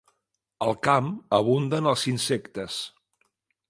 Al camp abunden els insectes.